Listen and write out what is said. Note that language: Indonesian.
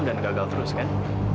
dan gagal terus kan